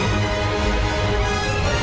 tidak ada yang bisa dihukum